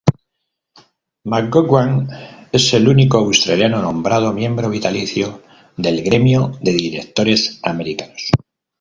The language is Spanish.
McGowan es el único australiano nombrado miembro vitalicio del Gremio de directores americanos.